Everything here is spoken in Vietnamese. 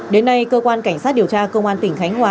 đến nay cơ quan cảnh sát điều tra cơ quan tỉnh khánh hòa